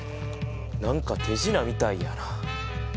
何か手品みたいやな。